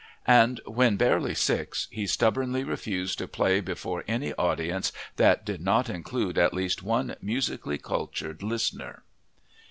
And, when barely six, he stubbornly refused to play before any audience that did not include at least one musically cultured listener.